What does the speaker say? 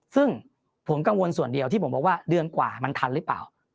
ซึ่งผมกังวลส่วนเดียวที่ผมบอกว่าเดือนกว่ามันทันหรือเปล่า